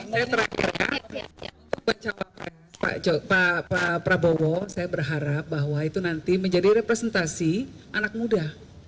saya terakhir pak prabowo saya berharap bahwa itu nanti menjadi representasi anak muda